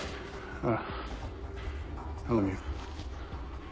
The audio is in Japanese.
ああ。